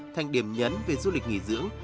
thành điểm nhấn về du lịch nghỉ dưỡng